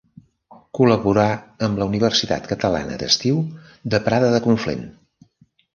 Col·laborà amb la Universitat Catalana d'Estiu de Prada de Conflent.